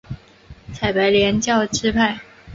采白莲教支派。